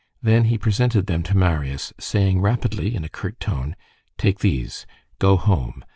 Then he presented them to Marius, saying rapidly, in a curt tone:— "Take these. Go home.